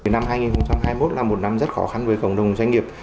năm hai nghìn hai mươi một là một năm rất khó khăn với cộng đồng doanh nghiệp